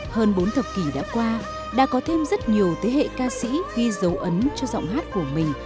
hơn bốn thập kỷ đã qua đã có thêm rất nhiều thế hệ ca sĩ ghi dấu ấn cho giọng hát của mình